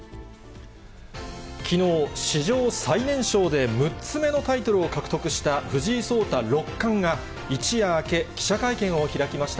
きのう、史上最年少で６つ目のタイトルを獲得した藤井聡太六冠が、一夜明け、記者会見を開きました。